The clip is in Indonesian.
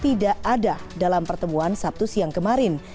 tidak ada dalam pertemuan sabtu siang kemarin